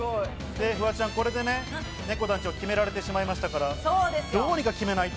フワちゃん、これでねこ団長決められてしまいましたから、どうにか決めないと。